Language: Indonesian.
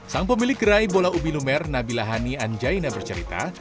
sang pemilik gerai bola ubi lumer nabilah hani anjaina bercerita